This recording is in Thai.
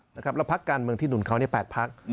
แล้วภักดิ์การเมืองที่หนุนเขาเนี่ย๘ภักดิ์